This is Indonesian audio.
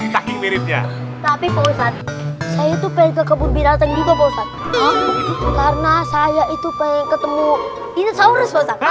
tapi saya itu pengen ke kebun binatang itu karena saya itu pengen ketemu ini